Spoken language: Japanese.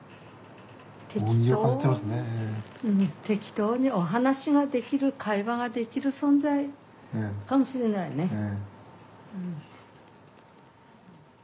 適当にお話ができる会話ができる存在かもしれないね。